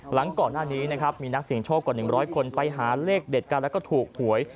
หลังก่อนหน้านี้มีนักศิลป์โชคกว่า๑๐๐คนไปหาเลขเด็ดกันและถูกหวย